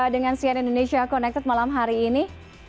dengan cn indonesia connected malam hari ini